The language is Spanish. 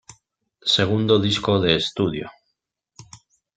Segundo disco de estudio.